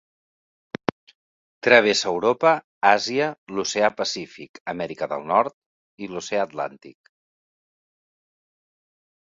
Travessa Europa, Àsia, l'Oceà Pacífic, Amèrica del Nord l'oceà Atlàntic.